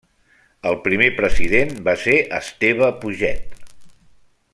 El primer president va ser Esteve Puget.